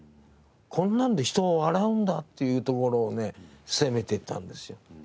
こんなんで人は笑うんだっていうところをね攻めてったんですよ。